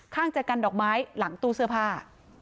ข้างจะกันดอกไม้หลังตู้เสื้อผ้า